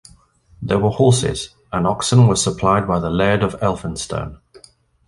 There were horses, and oxen were supplied by the Laird of Elphinstone.